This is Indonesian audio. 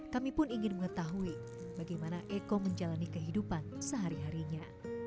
kami pun ingin mengetahui bagaimana eko menjalani kehidupan sehari harinya